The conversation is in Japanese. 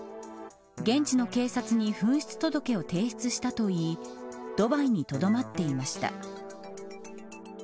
現地の警察に紛失届を提出したと言いドバイにとどまっていました。